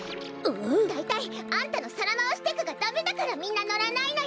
だいたいあんたのさらまわしテクがダメだからみんなノらないのよ！